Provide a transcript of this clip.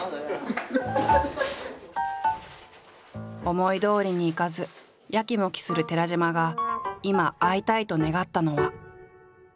思いどおりにいかずやきもきする寺島が今会いたいと願ったのは。